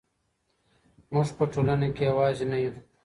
موږ په ټولنه کې یوازې نه یو.